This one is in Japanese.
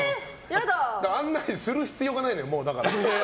案内する必要がないのよ、もう。